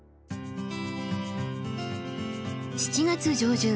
７月上旬。